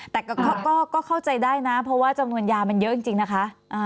แต่ก็เข้าใจได้นะเพราะว่าจำนวนยามันเยอะจริงนะคะ